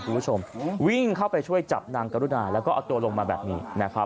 คุณผู้ชมวิ่งเข้าไปช่วยจับนางกรุณาแล้วก็เอาตัวลงมาแบบนี้นะครับ